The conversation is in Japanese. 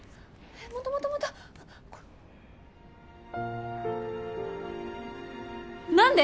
もっともっともっと何で！？